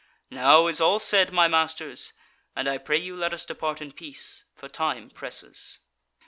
Now is all said, my masters, and I pray you let us depart in peace; for time presses."